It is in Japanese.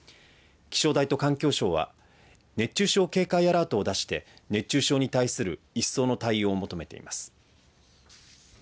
気象台と環境省は熱中症警戒アラートを出して熱中症に対する一層の対応を求めています。